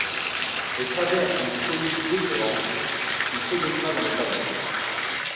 Au travers d'une cohue déférente, on pénétra dans le Palais.